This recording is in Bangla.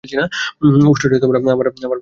উষ্ট্রটি আমার পশ্চাতে দাঁড় করালাম।